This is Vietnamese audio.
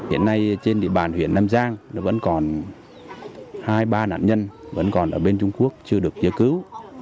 hiện nay trên địa bàn huyện nam giang vẫn còn hai ba nạn nhân vẫn còn ở bên trung quốc chưa được chữa cứu